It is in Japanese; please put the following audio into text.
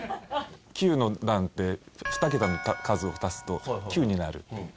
９の段って２桁の数を足すと９になるっていう。